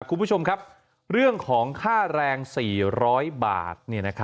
คุณผู้ชมครับเรื่องของค่าแรง๔๐๐บาท